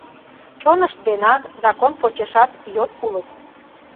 Чонышт денат, закон почешат йот улыт.